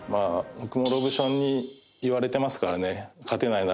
僕もロブションに言われてますからね